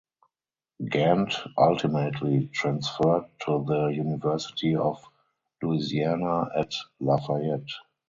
Gant ultimately transferred to the University of Louisiana at Lafayette.